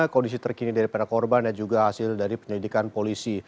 kondisi terkini daripada korban dan juga hasil dari penyelidikan polisi